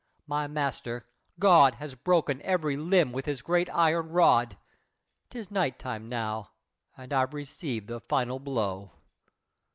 My master, God has broken every limb With His great iron rod! 'Tis night time now, And I've received the final blow!